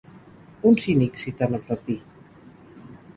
Un cínic, si tant em fas dir…